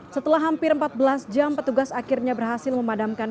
setelah hampir empat belas jam petugas akhirnya berhasil memadamkan